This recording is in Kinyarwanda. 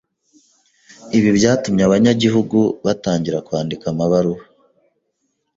Ibi byatumy abanyagihugu batangira kwandika amabaruwa